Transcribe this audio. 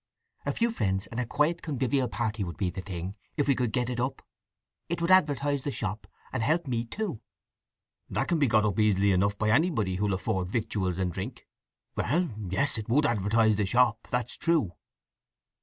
A few friends, and a quiet convivial party would be the thing, if we could get it up. It would advertise the shop, and help me too." "That can be got up easy enough by anybody who'll afford victuals and drink… Well yes—it would advertise the shop—that's true."